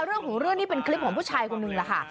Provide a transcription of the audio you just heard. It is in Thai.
เรื่องของเรื่องนี้เป็นคลิปของผู้ชายกลางหนึ่งนะคะ